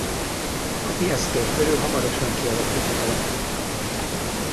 A piactér körül hamarosan kialakult a település.